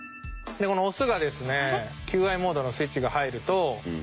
このオスがですね求愛モードのスイッチが入ると。